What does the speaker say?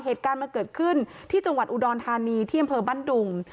เหตุการณ์มันเกิดขึ้นที่จังหวัดอุดรธานีที่อำเภอบ้านดุง